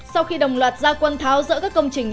sau khi đồng loạt gia quân tháo rỡ các công trình